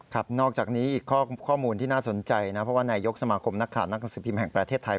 นอกจากนี้อีกข้อมูลที่น่าสนใจนะเพราะว่านายกสมาคมนักข่าวนักหนังสือพิมพ์แห่งประเทศไทย